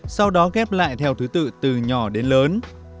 sau đó ghép lại theo thứ tự từ nhỏ đến lớn